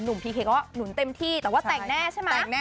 พีเคก็หนุนเต็มที่แต่ว่าแต่งแน่ใช่ไหม